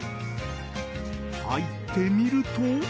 入ってみると。